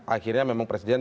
akhirnya memang presiden